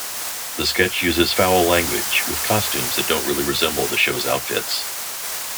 The sketch uses foul language, with costumes that don't really resemble the shows outfits.